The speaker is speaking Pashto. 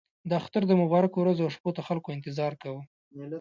د اختر د مبارکو ورځو او شپو ته خلکو انتظار کاوه.